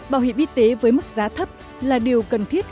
bảo hiểm y tế với mức giá thấp là điều cần thiết